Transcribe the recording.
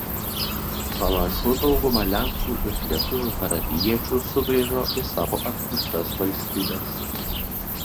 Pamažu dauguma lenkų ir lietuvių parapijiečių sugrįžo į savo atkurtas valstybes.